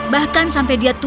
bahkan sampai dia tua